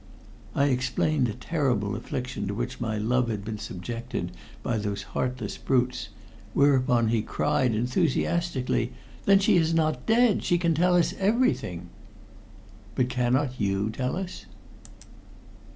I explained the terrible affliction to which my love had been subjected by those heartless brutes, whereupon he cried enthusiastically: "Then she is not dead! She can tell us everything!" "But cannot you tell us?"